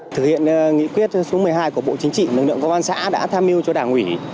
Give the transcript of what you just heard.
thực hiện nghị quyết số một mươi hai của bộ chính trị lực lượng công an xã đã tham mưu cho đảng ủy